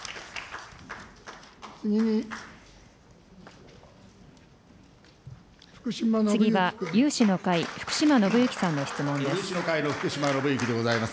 次は有志の会、福島伸享さんの質問です。